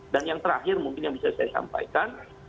dan yang terakhir mungkin yang bisa saya sampaikan